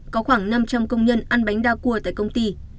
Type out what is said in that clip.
có khoảng năm trăm linh công nhân ăn bánh đa cua tại công ty